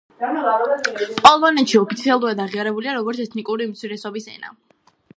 პოლონეთში ოფიციალურად აღიარებულია როგორც ეთნიკური უმცირესობის ენა.